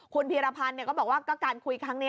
คุณพีรพันธ์ก็บอกว่าก็การคุยครั้งนี้